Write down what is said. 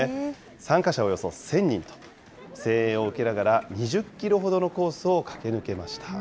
参加者およそ１０００人と、声援を受けながら２０キロほどのコースを駆け抜けました。